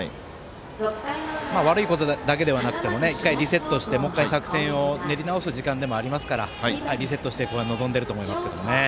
悪いことだけでもなくて１回リセットしてもう１回、作戦を練り直す時間でもありますからリセットしてここは臨んでいると思いますけどね。